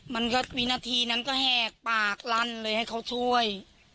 มันก็วินาทีนั้นก็แหกปากลั่นเลยให้เขาช่วย